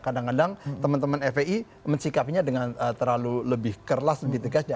kadang kadang teman teman fpi mencikapinya dengan terlalu lebih keras lebih tegasnya